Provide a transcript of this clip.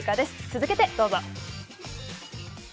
続けてどうぞ。